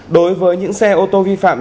đối với những xe ô tô vi phạm